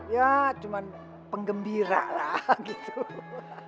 ya cuman penggembira lah gitu